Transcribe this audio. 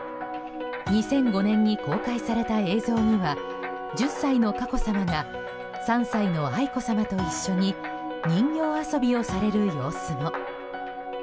２００５年に公開された映像には１０歳の佳子さまが３歳の愛子さまと一緒に人形遊びをされる様子も。